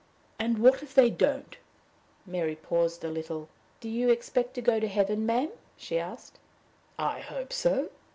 "And what if they don't?" Mary paused a little. "Do you expect to go to heaven, ma'am?" she asked "I hope so."